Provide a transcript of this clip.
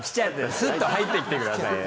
すっと入って座ってくださいよ。